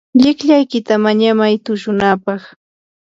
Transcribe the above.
llikllaykita mañamay tushunapaq.